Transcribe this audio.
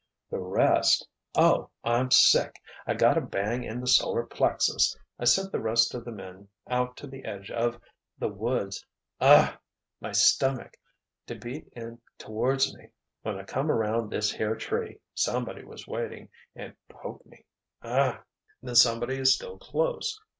"The rest—oh, I'm sick!—I got a bang in the solar plexus—I sent the rest of the men out to the edge of—the woods—oh!—my stomach—to beat in towards me—when I come around this here tree, somebody was waiting and poked me—oh!"— "Then somebody is still close.